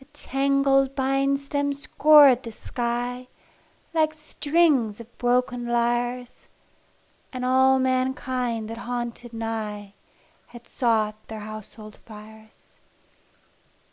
The tangled bine stems scored the sky Like strings of broken lyres, And all mankind that haunted nigh Had sought their household fires.